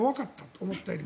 思ったよりも。